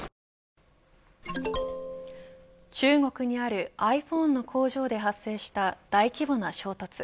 中国にあるｉＰｈｏｎｅの工場で発生した大規模な衝突。